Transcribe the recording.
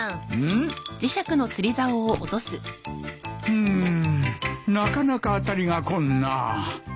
うんなかなか当たりがこんな。